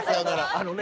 あのね